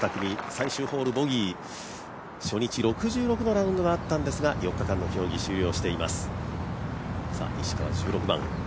最終ホールボギー、初日６６のラウンドがあったんですが、４日間の競技、終了しています。